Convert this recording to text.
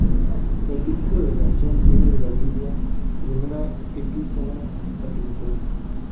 El título de la canción viene de la Biblia, primera epístola a Timoteo.